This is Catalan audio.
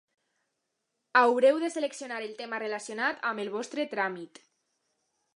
Haureu de seleccionar el tema relacionat amb el vostre tràmit.